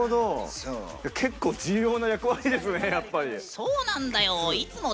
そうなんだよ。